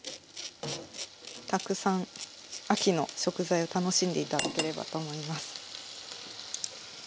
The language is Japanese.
たくさん秋の食材を楽しんで頂ければと思います。